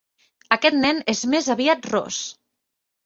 Aquest nen és més aviat ros.